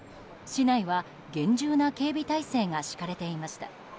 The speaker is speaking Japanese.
市内は厳重な警備態勢が敷かれていました。